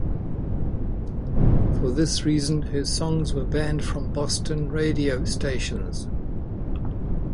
For this reason, her songs were banned from Boston radio stations.